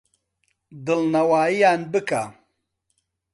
دڵنەوایییان بکە.